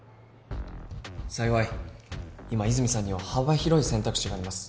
幸い今和泉さんには幅広い選択肢があります。